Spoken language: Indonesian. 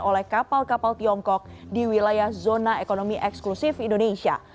oleh kapal kapal tiongkok di wilayah zona ekonomi eksklusif indonesia